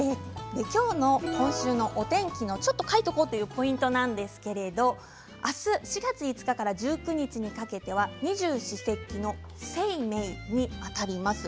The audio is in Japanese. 今週のお天気の「ちょっと書いとこ！」というポイントなんですが明日４月５日から１９日にかけては、二十四節気の清明にあたります。